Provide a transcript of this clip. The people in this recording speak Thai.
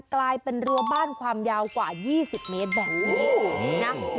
กลายเป็นรัวบ้านความยาวกว่า๒๐เมตรแบบนี้นะ